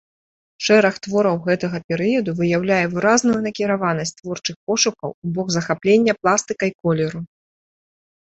Шэраг твораў гэтага перыяду выяўляе выразную накіраванасць творчых пошукаў у бок захаплення пластыкай колеру.